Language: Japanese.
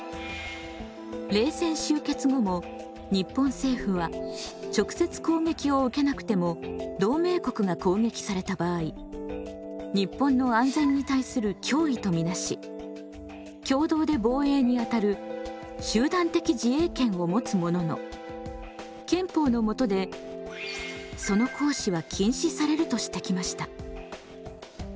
冷戦終結後も日本政府は直接攻撃を受けなくても同盟国が攻撃された場合日本の安全に対する脅威とみなし共同で防衛にあたる集団的自衛権を持つものの憲法のもとでその行使は禁止されるとしてきました。